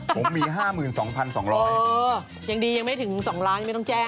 ผมมีห้าหมื่นสองพันสองร้อยเออยังดียังไม่ถึงสองล้านยังไม่ต้องแจ้ง